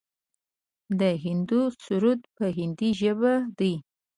د هندو سرود په هندۍ ژبه دی.